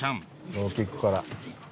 ローキックから。